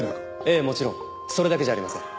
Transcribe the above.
ええもちろんそれだけじゃありません。